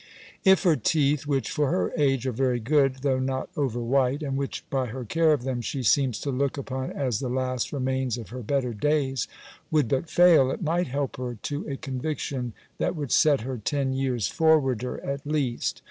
If her teeth, which, for her age, are very good, though not over white (and which, by her care of them, she seems to look upon as the last remains of her better days), would but fail, it might help her to a conviction, that would set her ten years forwarder at least.